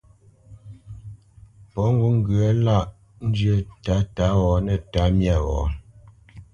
Pɔ̌ ŋgǔt ŋgyə̌ lâʼ njyə́ tǎtǎ wɔ̌ nə̂ tǎmyā wɔ̌.